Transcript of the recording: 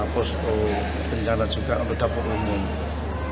posko pencara juga untuk dapur umum